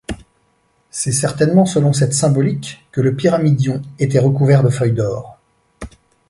C'est certainement selon cette symbolique que le pyramidion était recouvert de feuilles d'or.